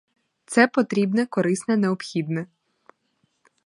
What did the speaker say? Це — потрібне, корисне, необхідне.